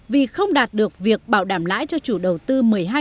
vì không đạt được việc bảo đảm lãi cho chủ đầu tư một mươi hai